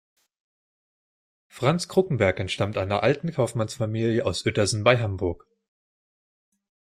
Franz Kruckenberg entstammt einer alten Kaufmannsfamilie aus Uetersen bei Hamburg.